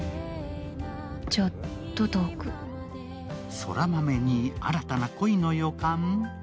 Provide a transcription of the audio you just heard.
空豆に新たな恋の予感？